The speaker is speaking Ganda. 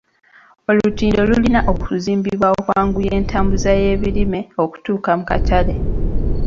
Olutindo lulina okuzimbibwa okwanguya entambuza y'ebirime okutuuka mu katale.